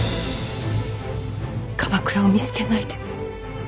鎌倉を見捨てないで。